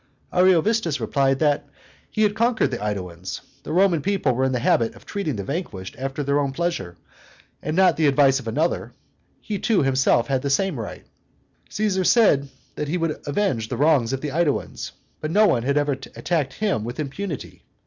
Ariovistus replied that "he had conquered the AEduans. The Roman people were in the habit of treating the vanquished after their own pleasure, and not the advice of another; he too, himself, had the same right. Caesar said he would avenge the wrongs of the AEduans; but no one had ever attacked him with impunity.